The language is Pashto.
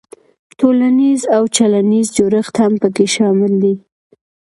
تولنیز او چلندیز جوړښت هم پکې شامل دی.